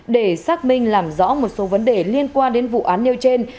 để xác minh làm rõ một số vấn đề liên quan đến vụ án nêu trên